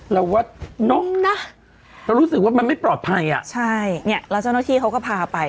เราว่าน้องนะเรารู้สึกว่ามันไม่ปลอดภัยอ่ะใช่เนี่ยแล้วเจ้าหน้าที่เขาก็พาไป